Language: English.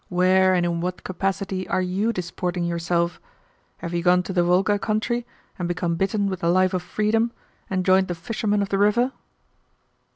Where, and in what capacity, are YOU disporting yourself? Have you gone to the Volga country, and become bitten with the life of freedom, and joined the fishermen of the river?"